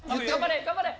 頑張れ！